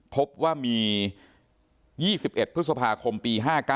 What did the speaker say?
พบว่ามี๒๑พฤษภาคมปี๕๙